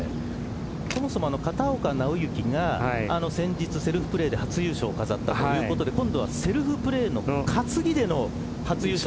そもそも片岡尚之が先日セルフプレーで初優勝を飾ったということで今度はセルフセルフプレーの担いでの初優勝。